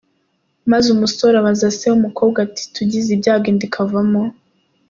Maze umusore abaza Se w’umukobwa ati “Tugize ibyago inda ikavamo ?.